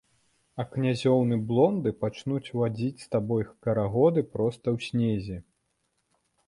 А князёўны-блонды пачнуць вадзіць з табою карагоды проста ў снезе.